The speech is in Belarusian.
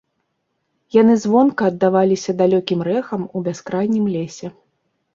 Яны звонка аддаваліся далёкім рэхам у бяскрайнім лесе.